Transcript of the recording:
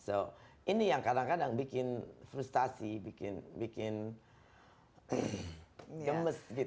jadi ini yang kadang kadang bikin frustrasi bikin gemes gitu